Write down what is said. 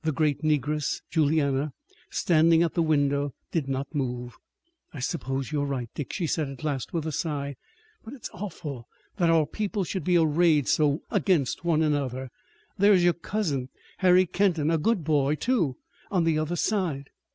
The great negress, Juliana, standing at the window, did not move. "I suppose you are right, Dick," she said at last with a sigh, "but it is awful that our people should be arrayed so against one another. There is your cousin, Harry Kenton, a good boy, too, on the other side."